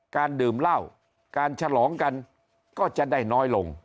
การดื่มเหล้าการฉลองกันก็จะได้น้อยลง